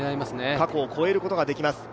過去を超えることができます。